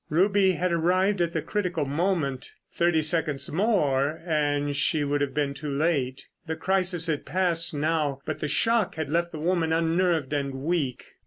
Ruby had arrived at the critical moment. Thirty seconds more and she would have been too late. The crisis had passed now, but the shock had left the woman unnerved and weak.